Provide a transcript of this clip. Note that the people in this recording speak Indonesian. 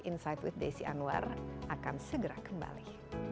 insight with desi anwar akan segera kembali